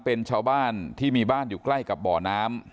เป็นชาวบ้านที่มีบ้านอยู่ใกล้กับบ่อน้ำ